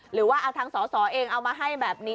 หรือว่าเอาทางสอสอเองเอามาให้แบบนี้